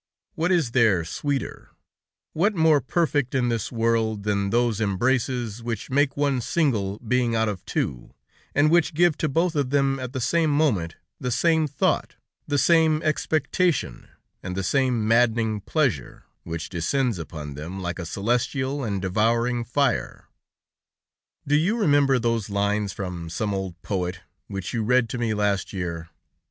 What is there sweeter, what more perfect in this world than those embraces, which make one single being out of two, and which give to both of them at the same moment the same thought, the same expectation, and the same maddening pleasure, which descends upon them like a celestial and devouring fire? "Do you remember those lines from some old poet, which you read to me last year?